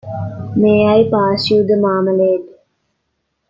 May I pass you the marmalade?